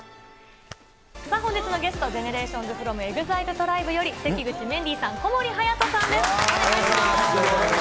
さあ、本日のゲスト、ＧＥＮＥＲＡＴＩＯＮＳｆｒｏｍＥＸＩＬＥＴＲＩＢＥより関口メンディーさん、小森隼さんです。